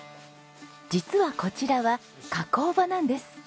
実はこちらは加工場なんです。